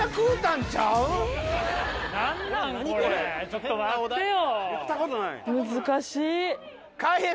ちょっと待ってよ！